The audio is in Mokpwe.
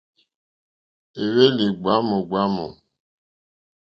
Éhwélì ɡbwámù ɡbwámù.